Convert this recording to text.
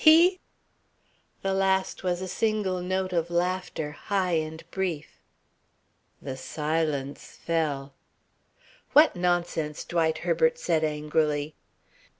He!" The last was a single note of laughter, high and brief. The silence fell. "What nonsense!" Dwight Herbert said angrily.